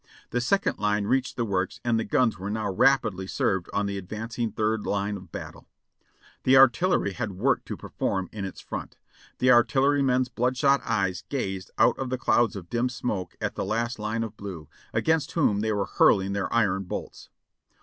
"The second line reached the works and the guns were now rapidly served on the advancing third line of battle. The artil lery had work to perform in its front. The artillerymen's blood shot eyes gazed out of the clouds of dim smoke at the last line of blue, against whom they were hurling their iron bolts.